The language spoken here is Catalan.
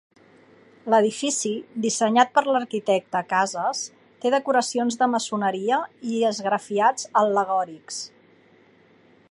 L'edifici, dissenyat per l'arquitecte Cases, té decoracions de maçoneria i esgrafiats al·legòrics.